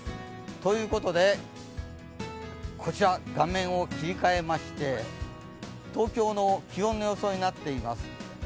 ということで、こちら画面を切り替えまして、東京の気温の予想になっています。